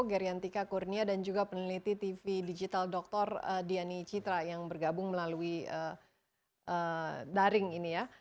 geriantika kurnia dan juga peneliti tv digital dr diani citra yang bergabung melalui daring ini ya